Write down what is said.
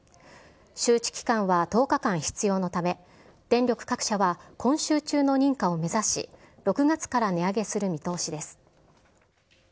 周知期間は１０日間必要なため、電力各社は今週中の認可を目指し、６月から値上げする見通しです。